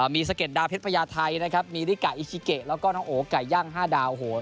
มีสะเด็ดดาวเพชรพญาไทยนะครับมีริกะอิชิเกะแล้วก็น้องโอ๋ไก่ย่าง๕ดาวโห